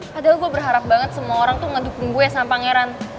padahal gue berharap banget semua orang tuh ngedukung gue sama pangeran